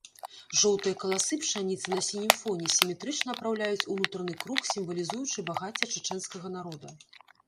Жоўтыя каласы пшаніцы на сінім фоне сіметрычна апраўляюць унутраны круг, сімвалізуючы багацце чачэнскага народа.